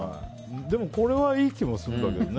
でも、これはいい気もするけど。